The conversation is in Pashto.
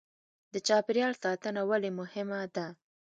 د چاپیریال ساتنه ولې مهمه ده